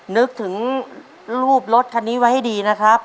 นึกถึงรูปรถคันนี้ไว้ให้ดีนะครับ